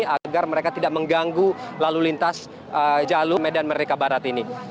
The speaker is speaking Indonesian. agar mereka tidak mengganggu lalu lintas jalur medan merdeka barat ini